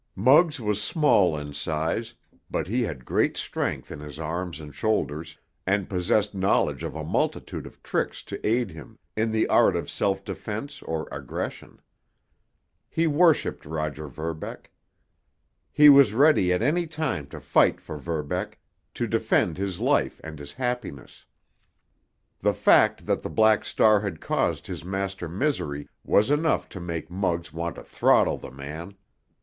Muggs was small in size, but he had great strength in his arms and shoulders, and possessed knowledge of a multitude of tricks to aid him in the art of self defense or aggression. He worshiped Roger Verbeck. He was ready at any time to fight for Verbeck, to defend his life and his happiness. The fact that the Black Star had caused his master misery was enough to make Muggs want to throttle the man.